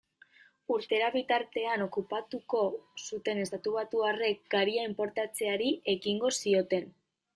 Urtera bitartean okupatuko zuten estatubatuarrek garia inportatzeari ekingo zioten.